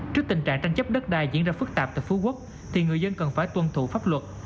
trước tình trạng tranh chấp đất đai diễn ra phức tạp tại phú quốc thì người dân cần phải tuân thủ pháp luật